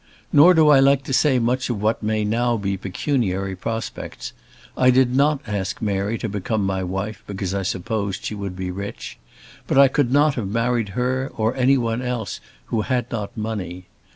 Nor do I like to say much of what may now be pecuniary prospects. I did not ask Mary to become my wife because I supposed she would be rich. But I could not have married her or any one else who had not money.